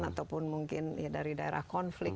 ataupun mungkin dari daerah konflik